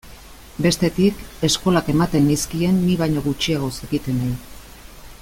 Bestetik, eskolak ematen nizkien ni baino gutxiago zekitenei.